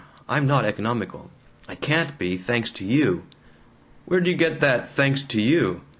I'm not economical. I can't be. Thanks to you!" "Where d' you get that 'thanks to you'?"